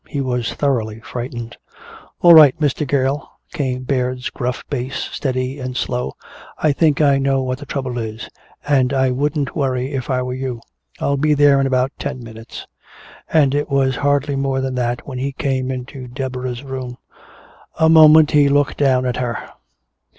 He was thoroughly frightened. "All right, Mr. Gale," came Baird's gruff bass, steady and slow, "I think I know what the trouble is and I wouldn't worry if I were you. I'll be there in about ten minutes." And it was hardly more than that when he came into Deborah's room. A moment he looked down at her.